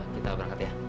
kita berangkat ya